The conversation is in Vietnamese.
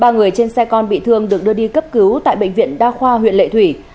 ba người trên xe con bị thương được đưa đi cấp cứu tại bệnh viện đa khoa huyện lệ thủy